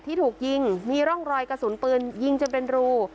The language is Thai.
ที่ถูกยิงมีร่องรอยกระสุนปืนยิงจนเป็นรู